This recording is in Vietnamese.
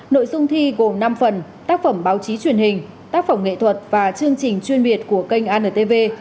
nội dung thi gồm năm phần tác phẩm báo chí truyền hình tác phẩm nghệ thuật và chương trình chuyên biệt của kênh antv